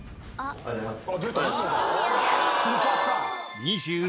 おはようございます。